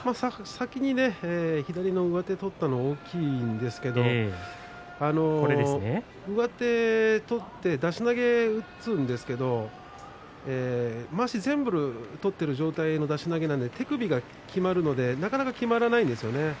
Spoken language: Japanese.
先に左の上手を取ったのは大きいんですけれど上手を取って出し投げを打つんですけれどまわしの全部を取っている状態の出し投げなので手首がきまるのでなかなかきまらないですよね。